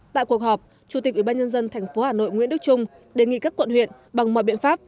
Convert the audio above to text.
tại cuộc họp chủ tịch ủy ban nhân dân tp hà nội nguyễn đức trung đề nghị các quận huyện bằng mọi biện pháp